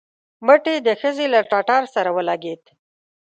مټ يې د ښځې له ټټر سره ولګېد.